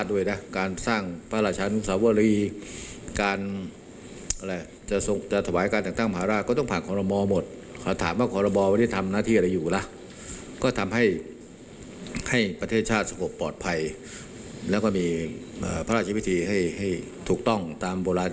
ว่ารัฐมนตรีค่ะ